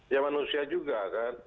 ya manusia juga kan